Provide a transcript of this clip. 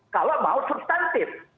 kalau mau substantif